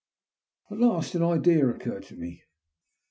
At last an idea occurred to me.